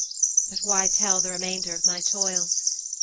But why tell the remainder of my toils?